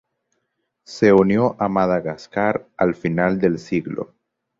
Se unió a Madagascar al final de siglo.